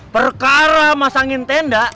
perkara masangin tenda